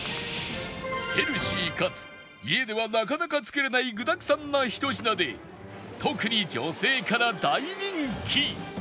ヘルシーかつ家ではなかなか作れない具だくさんなひと品で特に女性から大人気